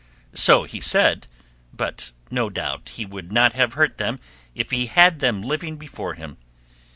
So he said, but no doubt he would not have hurt them if he had had them living before him.